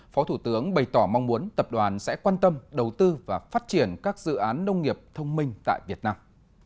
phó thủ tướng bày tỏ mong muốn tập đoàn sẽ quan tâm đầu tư và phát triển các dự án nông nghiệp thông minh tại việt nam